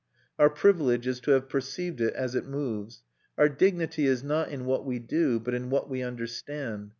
Our privilege is to have perceived it as it moves. Our dignity is not in what we do, but in what we understand.